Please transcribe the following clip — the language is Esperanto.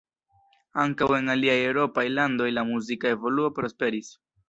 Ankaŭ en aliaj eŭropaj landoj la muzika evoluo prosperis.